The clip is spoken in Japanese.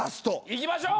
いきましょう。